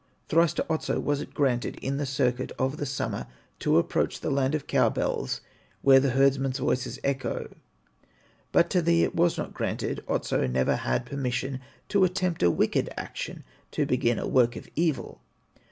Thrice to Otso was it granted, In the circuit of the summer, To approach the land of cow bells, Where the herdsmen's voices echo; But to thee it was not granted, Otso never had permission To attempt a wicked action, To begin a work of evil.